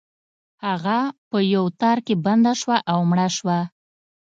هغه په یو تار کې بنده شوه او مړه شوه.